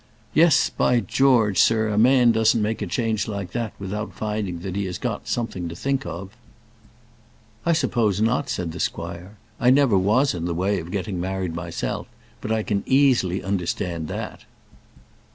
"Yes, by George! sir, a man doesn't make a change like that without finding that he has got something to think of." "I suppose not," said the squire. "I never was in the way of getting married myself, but I can easily understand that."